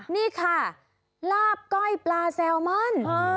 นี่ค่ะลาบก้อยปลาแซลมอน